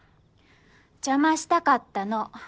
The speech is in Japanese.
邪魔したかったの。